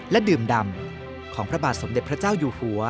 และดื่มดำของพระบาทสมเด็จพระเจ้าอยู่หัว